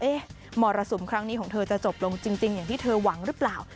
มรสุมครั้งนี้ของเธอจะจบลงจริงอย่างที่เธอหวังหรือเปล่า